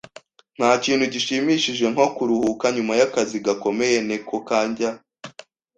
Ntakintu gishimishije nko kuruhuka nyuma yakazi gakomeye. (NekoKanjya)